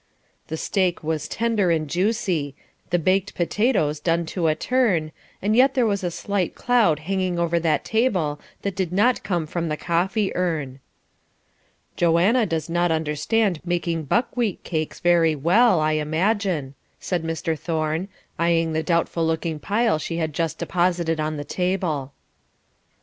The steak was tender and juicy, the baked potatoes done to a turn, and yet there was a slight cloud hanging over that table that did not come from the coffee urn. "Joanna does not understand making buckwheat cakes very well, I imagine," said Mr. Thorne, eyeing the doubtful looking pile she had just deposited on the table.